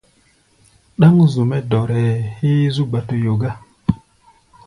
Ɗáŋ zu-mɛ́ dɔrɛɛ héé zú gba-toyo gá.